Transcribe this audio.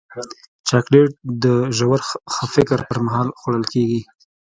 چاکلېټ د ژور فکر پر مهال خوړل کېږي.